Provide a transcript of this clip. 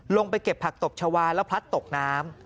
ไปเก็บผักตบชาวาแล้วพลัดตกน้ำ